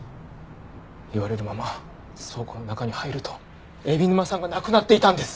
言われるまま倉庫の中に入ると海老沼さんが亡くなっていたんです！